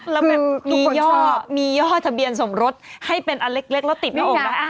แล้วแบบมีย่อมีย่อทะเบียนสมรสให้เป็นอันเล็กแล้วติดหน้าอกนะ